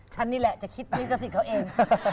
นี่แหละจะคิดลิขสิทธิ์เขาเอง